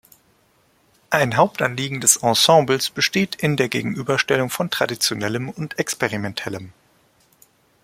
Ein Hauptanliegen des Ensembles besteht in der Gegenüberstellung von Traditionellem und Experimentellem.